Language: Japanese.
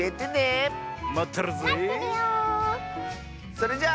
それじゃあ。